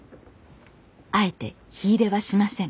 あえて火入れはしません。